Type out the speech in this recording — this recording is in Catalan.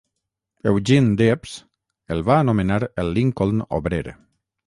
Eugene Debs el va anomenar el Lincoln obrer.